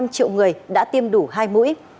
hai năm mươi năm triệu người đã tiêm đủ hai mũi